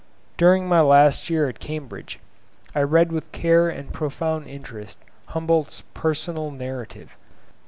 During my last year at Cambridge, I read with care and profound interest Humboldt's 'Personal Narrative.